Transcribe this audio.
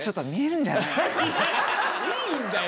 いいんだよ！